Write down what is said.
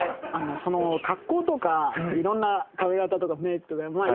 その格好とかいろんな髪形とかメイクとかいろいろ。